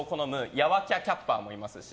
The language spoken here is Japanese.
やわかキャッパーもいますし。